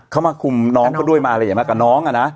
เขามาคุมน้องเขาด้วยมากับน้อง